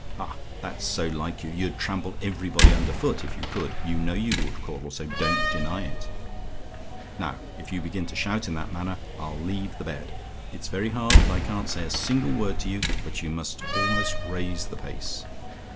Ha! that's so like you: you'd trample everybody under foot, if you could you know you would, Caudle, so don't deny it. "Now, if you begin to shout in that manner, I'll leave the bed. It's very hard that I can't say a single word to you, but you must almost raise the place.